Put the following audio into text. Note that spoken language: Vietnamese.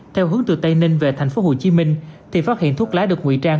theo hướng từ tây ninh về tp hcm thì phát hiện thuốc lá được nguy trang